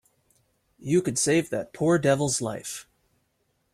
You could save that poor devil's life.